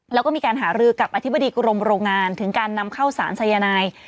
แล้วก็มีการหารือกับอธิบดีกรมโรงงานถึงการนำเข้าสารสายนาย